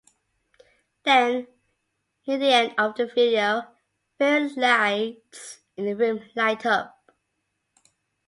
Then, near the end of the video, fairy lights in the room light up.